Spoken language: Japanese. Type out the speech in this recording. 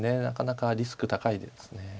なかなかリスク高いです。